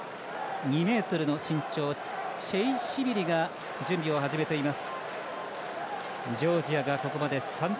２ｍの身長チェイシビリが準備を始めています。